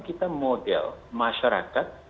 kita model masyarakat